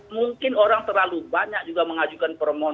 mungkin orang terlalu banyak juga mengajukan permohonan